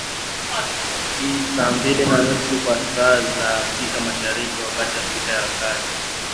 i saa mbili na nusu kwa saa za afrika mashariki wakati afrika ya kati